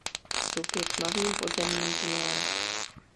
Vstup je tmavým podzemním tunelem.